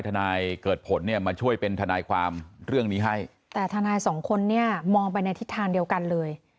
แต่ถ้านาย๒คนเนี่ยมองไปในทิศทางเดียวกันเลย